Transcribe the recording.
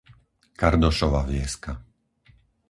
Kardošova Vieska